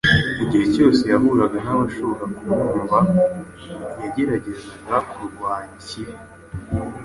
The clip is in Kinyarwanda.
Igihe cyose yahuraga n’abashobora kumwumva yageragezaga kurwanya ikibi.